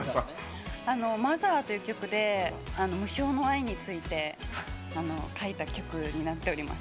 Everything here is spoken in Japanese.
「ｍｏｔｈｅｒ」という曲で「無償の愛」について書いた曲になってます。